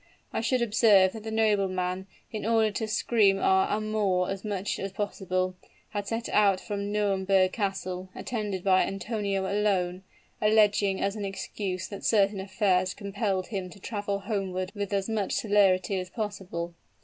"I should observe that the nobleman, in order to screen our amour as much as possible, had set out from Nauemberg Castle, attended by Antonio alone, alleging as an excuse that certain affairs compelled him to travel homeward with as much celerity as possible.